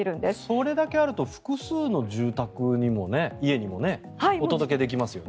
それだけあると複数の住宅にも、家にもお届けできますよね。